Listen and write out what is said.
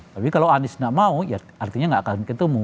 tapi kalau anies tidak mau ya artinya nggak akan ketemu